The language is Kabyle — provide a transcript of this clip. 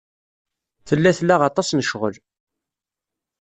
Tella tla aṭas n ccɣel.